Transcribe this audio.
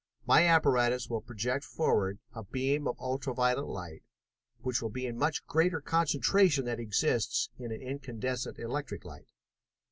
My apparatus will project forward a beam of ultra violet light which will be in much greater concentration than exists in an incandescent electric light.